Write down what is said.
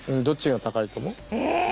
どっちが高いと思う？